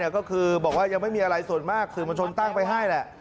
ก็คือบอกว่ายังไม่มีอะไรส่วนมากสื่อมวลชนตั้งไปให้แหละ